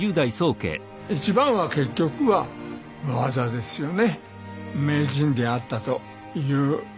一番は結局は技ですよね。